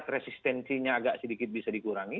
resistensinya agak sedikit bisa dikurangi